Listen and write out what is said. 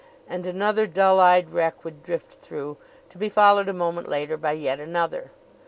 and another dull eyed wreck would drift through, to be followed a moment later by yet another.